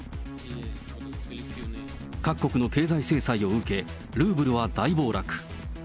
各国の経済制裁を受け、ルーブルは大暴落。